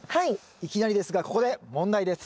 いきなりですがここで問題です。